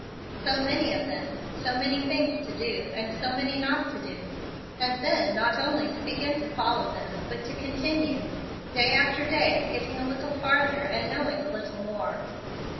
So many of them, so many things to do, and so many not to do; and then not only to begin to follow them, but to continue; day after day getting a little farther, and knowing a little more.